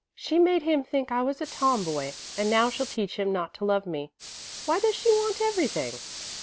"She made him think I was a tomboy, and now she'll teach him not to love me. Why does she want everything?"